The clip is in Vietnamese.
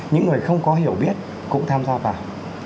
những người không có hiểu biết cũng tham gia vào